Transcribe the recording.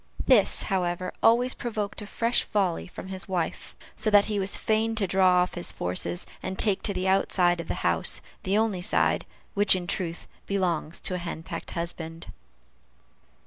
This, however, always provoked a fresh volley from his wife, so that he was fain to draw off his forces, and take to the outside of the house the only side which, in truth, belongs to a henpecked husband.